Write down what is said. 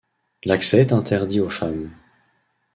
L'accès est interdit aux femmes.